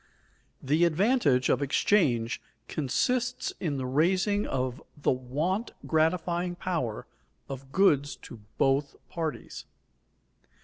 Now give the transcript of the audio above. _The advantage of exchange consists in the raising of the want gratifying power of goods to both parties.